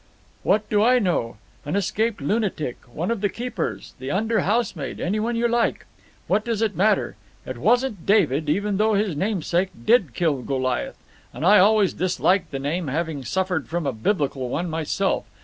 "What do I know? An escaped lunatic, one of the keepers, the under housemaid, anyone you like. What does it matter? It wasn't David, even though his namesake did kill Goliath, and I always disliked the name, having suffered from a Biblical one myself.